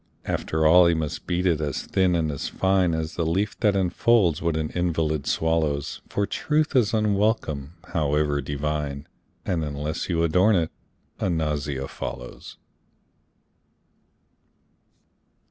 After all he must beat it as thin and as fine As the leaf that enfolds what an invalid swallows, For truth is unwelcome, however divine, And unless you adorn it, a nausea follows.